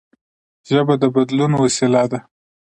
ژبه د بدلون وسیله ده.